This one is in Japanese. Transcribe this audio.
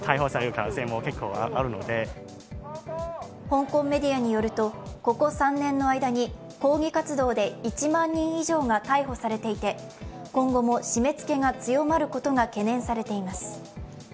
香港メディアによると、ここ３年の間に抗議活動で１万人以上が逮捕されていて今後も締め付けが強まることが懸念されています。